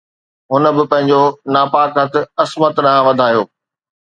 هن به پنهنجو ناپاڪ هٿ عصمت ڏانهن وڌايو